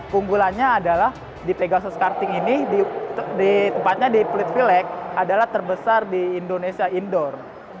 keunggulannya adalah di pegasos karting ini di tempatnya di pluit villag adalah terbesar di indonesia indoor